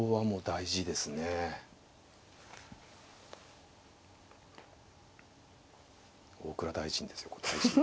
大蔵大臣ですよ。